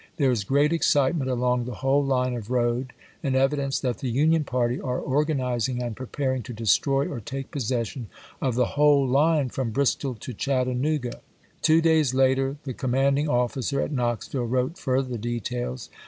There is great excite ment along the whole line of road and evidence Branner to that the Uuiou party are organizing and preparing N(m M«6i. to destroy or take possession of the whole line from IV., p. 231.' Bristol to Chattanooga." Two days later the com manding officer at Knoxville wrote further details.